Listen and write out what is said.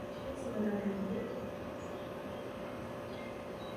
Řízení o přiznání dávky invalidního důchodu se zahajuje na základě písemné žádosti.